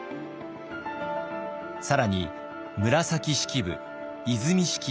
更に紫式部和泉式部